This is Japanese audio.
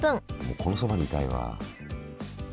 このそばにいたいわ。